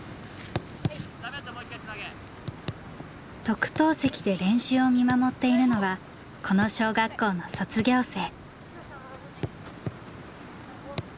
特等席で練習を見守っているのはこの小学校の卒業生。